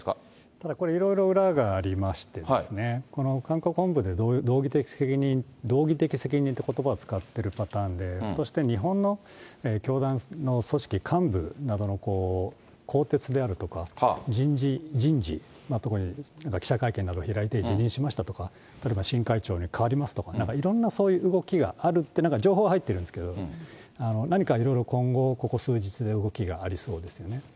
ただこれ、いろいろ裏がありましてですね、この韓国本部で道義的責任、道義的責任っていうことばを使ってるパターンで、日本の教団の組織、幹部などの更迭であるとか、人事、特に記者会見など開いて辞任しましたとか、例えば新会長に代わりますとか、なんかいろんなそういう動きがあるって、なんか情報は入ってるんですけど、何かいろいろ今後、ここ数日、動きがありそうですよね。